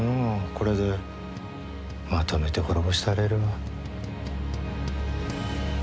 これでまとめて滅ぼしたれるわ。